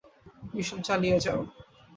Mission চালিয়ে যাও!